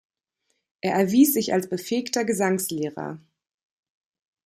Er erwies sich als befähigter Gesangslehrer.